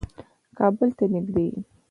کابل ته نېږدې يم.